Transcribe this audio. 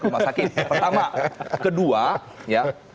ke rumah sakit pertama kedua